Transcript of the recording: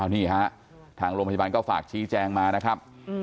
นี่ฮะทางโรงพยาบาลก็ฝากชี้แจงมานะครับ